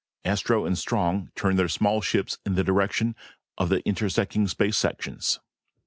Astro and Strong turned their small ships in the direction of the intersecting space sections.